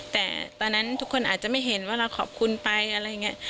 แต่ตอนนั้นทุกคนอาจจะไม่เห็นว่าเราขอบคุณไปอะไรอย่างนี้